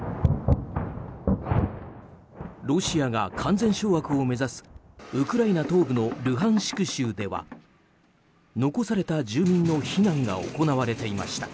ロシアが完全掌握を目指すウクライナ東部のルハンシク州では残された住民の避難が行われていました。